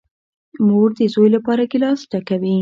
مور ده زوی لپاره گیلاس ډکوي .